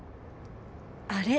あれ？